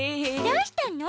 どうしたの？